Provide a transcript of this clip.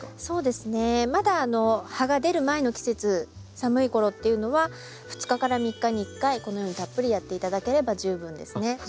そうですねまだ葉が出る前の季節寒い頃っていうのは２日から３日に１回このようにたっぷりやって頂ければ十分ですね。